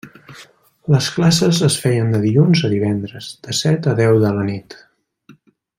Les classes es feien de dilluns a divendres, de set a deu de la nit.